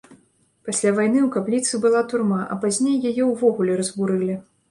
Пасля вайны ў капліцы была турма, а пазней яе ўвогуле разбурылі.